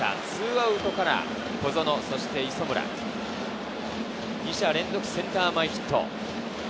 ２アウトから小園、そして磯村、２者連続センター前ヒット。